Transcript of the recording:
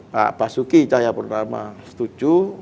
pak suki saya pertama setuju